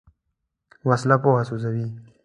وسله پوهه سوځوي